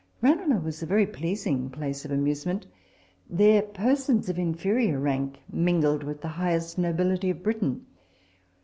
Ranelagh was a very pleasing place of amuse ment. There persons of inferior rank mingled with the highest nobility of Britain.